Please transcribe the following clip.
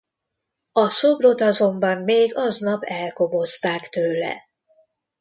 A szobrot azonban még aznap elkobozták tőle.